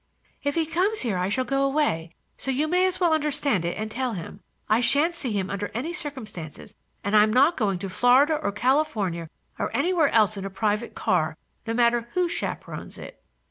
"If he comes here I shall go away, so you may as well understand it and tell him. I shan't see him under any circumstances, and I'm not going to Florida or California or anywhere else in a private car, no matter who chaperones it."